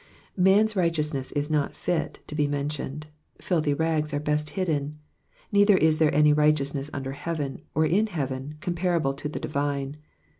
Man's righteousness is not lit to be mentioned — filthy rags are best hidden ; neither is there any righteousness under heaven, or in heaven, com parable to the divine.